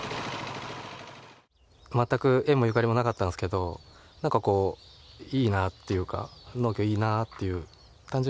全く縁もゆかりもなかったんですけどなんかこういいなっていうか農業いいなっていう単純にそれだけですね。